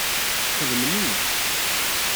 Sxedmen-iyi.